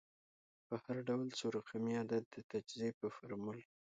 په هر ډول څو رقمي عدد د تجزیې په فورمول